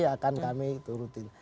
akan kami turuti